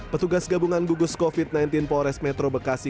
petugas gabungan gugus covid sembilan belas polres metro bekasi